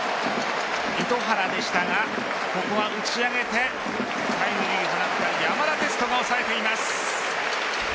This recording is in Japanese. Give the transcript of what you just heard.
糸原でしたがここは打ち上げてタイムリーを放った山田哲人が押さえています。